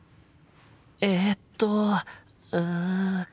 えっとうん。